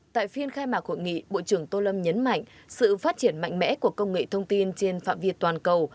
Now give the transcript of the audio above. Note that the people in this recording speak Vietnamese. tại phiên khai mạc hội nghị bộ trưởng tô lâm nhấn mạnh sự phát triển mạnh mẽ của công nghệ thông tin trên phạm việt toàn cầu